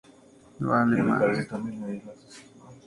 Cada vicaría foránea está a cargo de un vicario foráneo.